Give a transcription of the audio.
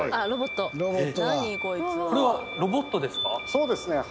そうですね。